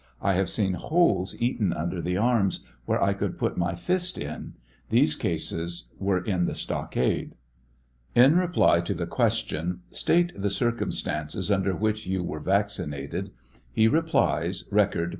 I have seen holes eaten under the arms, where I could put my fist in; these cases were in the stockade. In reply to the question, " State the circumstances under which you were Taccinated," he replies, (Record, p.